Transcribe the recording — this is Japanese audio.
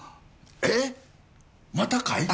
えっまたかい！？